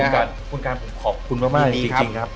คุณคุณการผมขอบคุณมากจริงครับยินดีครับ